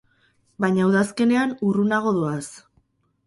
Baina udazkenean urrunago doaz.